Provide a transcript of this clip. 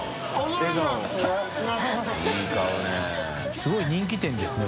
すごい人気店ですね